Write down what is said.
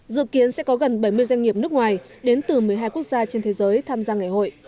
dự kiến sẽ có gần bảy mươi doanh nghiệp nước ngoài đến từ một mươi hai quốc gia trên thế giới tham gia ngày hội